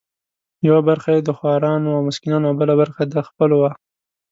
یوه برخه یې د خورانو او مسکینانو او بله برخه د خپلو وه.